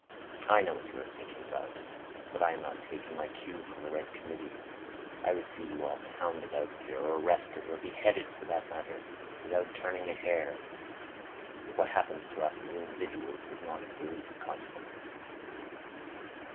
I know what you are thinking about. But I am not taking my cue from the Red Committee. I would see you all hounded out of here, or arrested—or beheaded for that matter—without turning a hair. What happens to us as individuals is not of the least consequence."